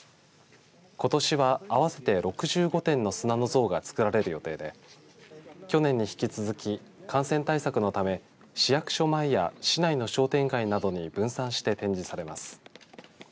ことしは、合わせて６５点の砂の像が作られる予定で去年に引き続き感染対策のため市役所前や市内の商店街などに分散して展示されます。